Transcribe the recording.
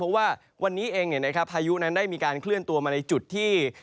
เพราะว่าวันนี้เองพายุนั้นได้มีการเคลื่อนตัวมาในจุดที่